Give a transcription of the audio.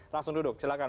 langsung duduk silakan